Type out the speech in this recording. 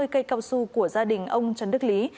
một trăm ba mươi cây cao su của gia đình ông trần đức lý